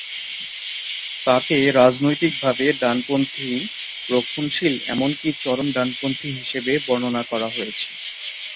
তাঁকে রাজনৈতিকভাবে ডানপন্থী, রক্ষণশীল এমনকি চরম-ডানপন্থী হিসেবে বর্ণনা করা হয়েছে।